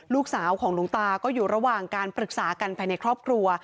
ลูกสาวของหลวงตาก็อยู่ระหว่างการปรึกษากันภายในครอบครัว